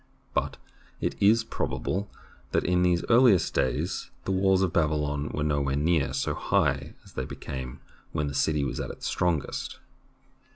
But it is probable that in these earliest days the walls of Babylon were nowhere near so high as they became when the city was at its strongest.